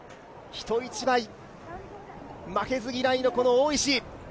人一倍、負けず嫌いの大石。